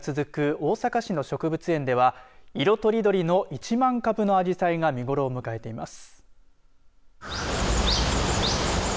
大阪市の植物園では色とりどりの１万株のアジサイが見頃を迎えています。